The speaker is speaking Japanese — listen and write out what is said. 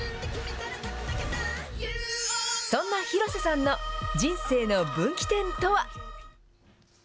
そんな広瀬さんの人生の分岐点とは。